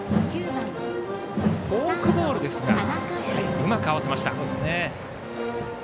フォークボールですがうまく合わせました。